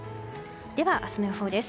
では、明日の予報です。